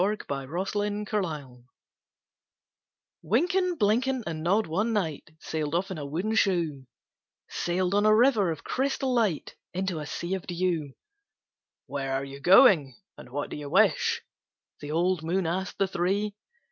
_Wynken, Blynken, and Nod_[A] Wynken, Blynken, and Nod one night Sailed off in a wooden shoe Sailed on a river of crystal light, Into a sea of dew. "Where are you going, and what do you wish?" The old moon asked the three.